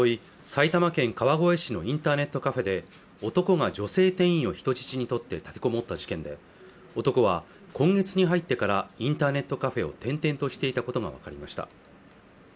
埼玉県川越市のインターネットカフェで男が女性店員を人質にとって立てこもった事件で男は今月に入ってからインターネットカフェを転々としていたことが分かりました